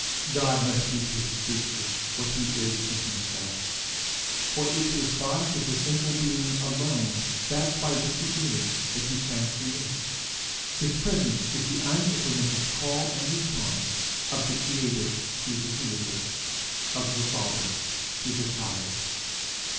God must be to his creature what he is in himself, for it is by his essential being alone, that by which he is, that he can create. His presence is the unintermittent call and response of the creative to the created, of the father to the child.